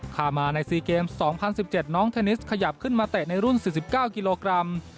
พามาใน๔เกม๒๐๑๗น้องเทนนิสขยับขึ้นมาเตะในรุ่น๔๙กิโลกรัม